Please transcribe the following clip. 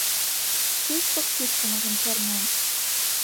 Шӱшпык шӱшкымыжым чарнен.